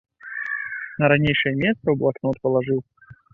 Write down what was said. На ранейшае месца ў блакнот палажыў.